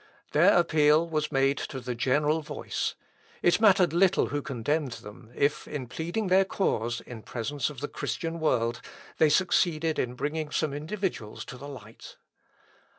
Their appeal was made to the general voice. It mattered little who condemned them, if, in pleading their cause in presence of the Christian world, they succeeded in bringing some individuals to the light.